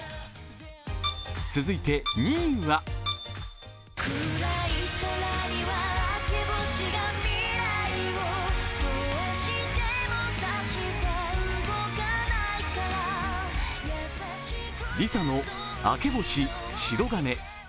続いて２位はＬｉＳＡの「明け星／白銀」。